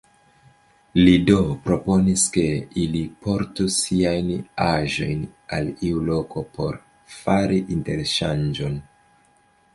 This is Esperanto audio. Li do proponis, ke ili portu siajn aĵojn al iu loko por fari interŝanĝon.